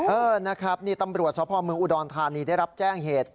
เออนะครับนี่ตำรวจสพเมืองอุดรธานีได้รับแจ้งเหตุ